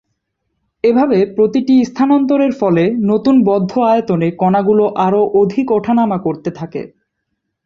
এভাবে প্রতিটি স্থানান্তরের ফলে নতুন বদ্ধ আয়তনে কণাগুলো আরও অধিক ওঠানামা করতে থাকে।